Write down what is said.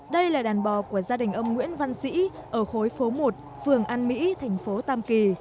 đây là đàn bò của gia đình ông nguyễn văn sĩ ở khối phố một phường an mỹ thành phố tam kỳ